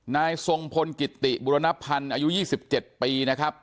นายทรงพลกิติบุรณพันธ์อายุ๒๗ปีนะครับ